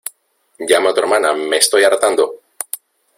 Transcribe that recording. ¡ llama a tu hermana, me estoy hartando!